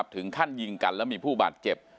ถึงขั้นยิงกันแล้วมีผู้บาดเจ็บ